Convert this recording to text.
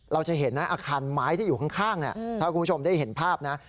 เราจะเห็นนะอาคารไม้ที่อยู่ข้างถ้าคุณผู้ชมได้เห็นภาพนะ